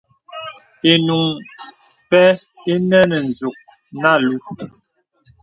Ìnùŋ pɛ̂ inə nə nzùk nə alūū.